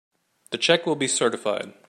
The check will be certified.